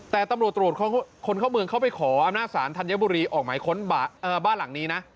แต่ตำรวจตรวจคนเข้าเมืองเข้าไปขออำนาจศาลธัญบุรีออกหมายค้นบ้านหลังนี้นะ